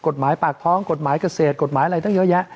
กฎหมายปากท้องกฎหมายเกษตรกฎหมายอะไรตั้งเยอะแยะ